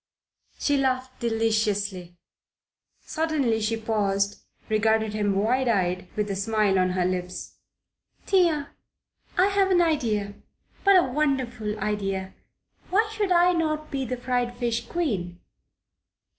She laughed deliciously. Suddenly she paused, regarded him wide eyed, with a smile on her lips. "Tiens! I have an idea. But a wonderful ideal Why should I not be the fried fish queen?